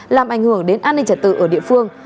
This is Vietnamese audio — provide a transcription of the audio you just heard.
làm ảnh hưởng đến an ninh trả tự ở địa phương